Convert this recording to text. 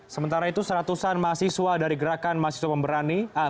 sementara itu seratusan mahasiswa dari gerakan mahasiswa pemberani